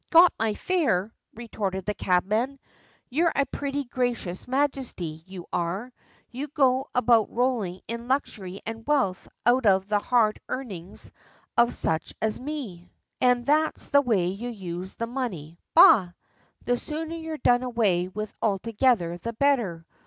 "Got my fare!" retorted the cabman; "you're a pretty gracious Majesty, you are. You go about rolling in luxury and wealth out of the hard earnings of sich as me, and that's the way you use the money. Bah! The sooner you're done away with altogether the better.